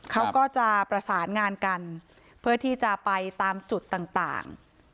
เขาก็จะประสานงานกันเพื่อที่จะไปตามจุดต่าง